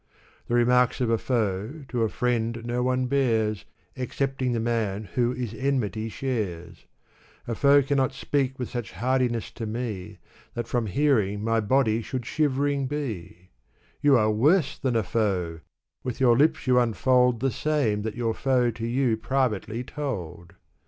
The remarks of a foe, to a friend no one bears^ Excepting the man who his enmity shares. A foe cannot speak with such hardiness to me, That from hearing, my body should shivering be I You are worse than a foe ! with your lips you unfold The same that the foe to you privately told